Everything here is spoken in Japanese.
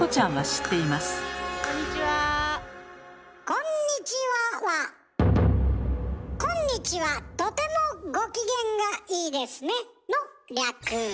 「こんにちは」は「こんにちはとてもご機嫌がいいですね」の略。